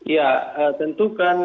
ya tentu kan